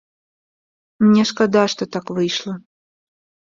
Мне шкада, што так выйшла.